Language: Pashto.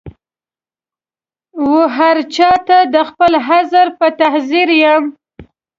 وهرچا ته د خپل عذر په تعذیر یم